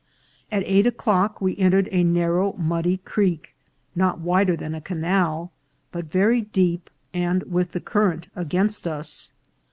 At eight o'clock we entered a narrow, muddy creek, not wider than a canal, but very deep, and with the current against us.